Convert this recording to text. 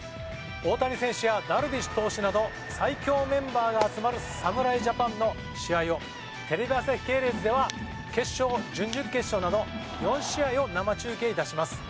大谷選手やダルビッシュ投手など最強メンバーが集まる侍ジャパンの試合をテレビ朝日系列では決勝準々決勝など４試合を生中継致します。